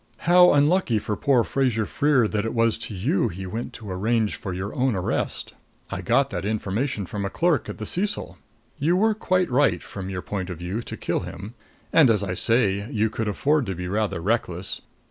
How unlucky for poor Fraser Freer that it was to you he went to arrange for your own arrest! I got that information from a clerk at the Cecil. You were quite right, from your point of view, to kill him. And, as I say, you could afford to be rather reckless.